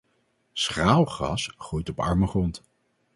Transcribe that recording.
Schraalgras groeit op arme grond.